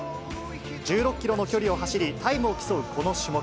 １６キロの距離を走り、タイムを競うこの種目。